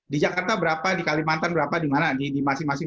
di jakarta berapa di kalimantan berapa di mana di masing masing